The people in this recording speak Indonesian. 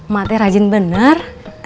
mak teh rajin bener